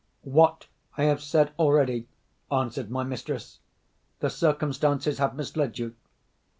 "What I have said already," answered my mistress. "The circumstances have misled you."